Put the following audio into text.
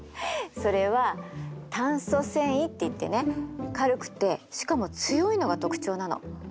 それは炭素繊維っていってね軽くてしかも強いのが特徴なの。